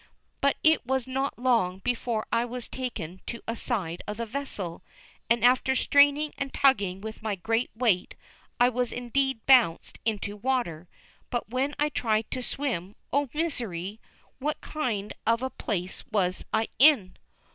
But it was not long before I was taken to a side of the vessel, and after straining and tugging with my great weight, I was indeed bounced into water, but when I tried to swim, oh, misery! what kind of a place was I in?